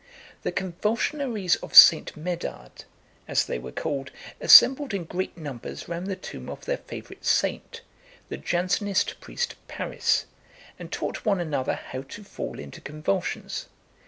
The Convulsionaries of St. Medard, as they were called, assembled in great numbers round the tomb of their favourite saint, the Jansenist priest Paris, and taught one another how to fall into convulsions.